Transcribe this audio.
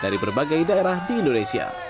dari berbagai daerah di indonesia